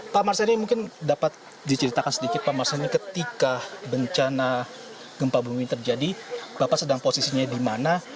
pak marsani mungkin dapat diceritakan sedikit pak marsani ketika bencana gempa bumi ini terjadi bapak sedang posisinya di mana